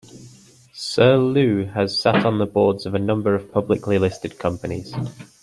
Sir Llew has sat on the boards of a number of publicly listed companies.